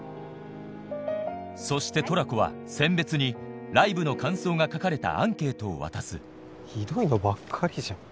そしてトラコは餞別にライブの感想が書かれたアンケートを渡すひどいのばっかりじゃん。